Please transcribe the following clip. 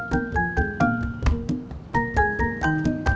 bukan making video itu